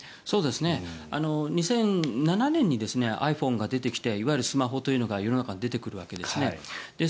そうですね、２００７年にｉＰｈｏｎｅが出てきていわゆるスマホというのが世の中に出てくるわけです。